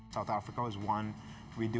south africa adalah satu